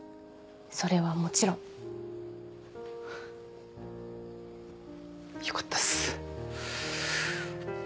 それはもちろん。よかったっす。